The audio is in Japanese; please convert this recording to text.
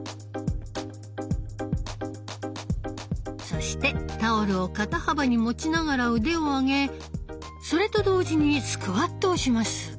そしてタオルを肩幅に持ちながら腕を上げそれと同時にスクワットをします。